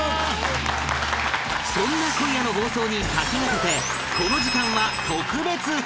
そんな今夜の放送に先駆けてこの時間は特別編